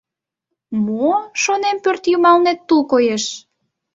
— Мо, шонем, пӧртйымалнет тул коеш.